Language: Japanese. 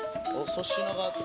粗品が手。